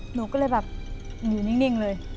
หนูก็เลยแบบอยู่นิ่งเลย